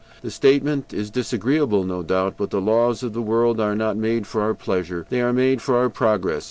The statement is disagreeable, no doubt; but the laws of the world are not made for our pleasure, they are made for our progress.